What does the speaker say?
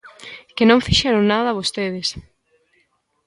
¡Que non fixeron nada vostedes!